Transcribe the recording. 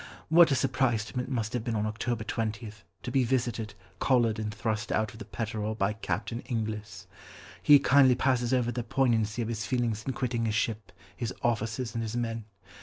What a surprise to him it must have been on October 20, to be visited, collared, and thrust out of the Petterall by Captain Inglis. He kindly passes over the poignancy of his feelings in quitting his ship, his officers, and his men.